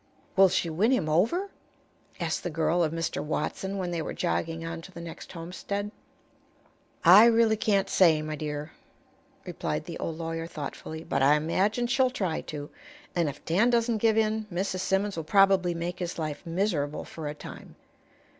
"Will she win him over?" asked the girl of Mr. Watson, when they were jogging on to the next homestead. "I really can't say, my dear," replied the old lawyer, thoughtfully; "but I imagine she'll try to, and if Dan doesn't give in Mrs. Simmons will probably make his life miserable for a time.